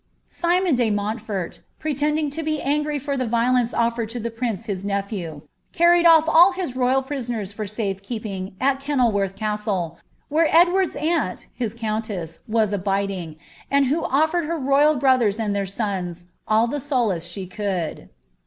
Simon de Montfort, pretending to be angry for the violence oflered to the prince his nephew, carried off all his royal pri soners for safe keeping to Kenilworth Castle, where Edward's aunt, his countees, was abiding, and who ofiered her royal brothers and their sons '* all the solace she could."